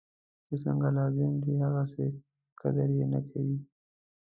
چی څنګه لازم دی هغسې قدر یې نه کوي.